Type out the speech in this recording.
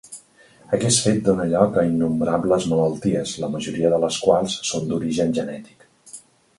Aquest fet dóna lloc a innombrables malalties, la majoria de les quals són d'origen genètic.